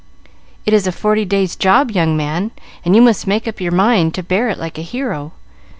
"It is a forty days' job, young man, and you must make up your mind to bear it like a hero.